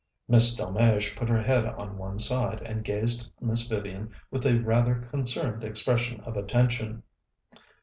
Miss Delmege put her head on one side, and gazed at Miss Vivian with a rather concerned expression of attention.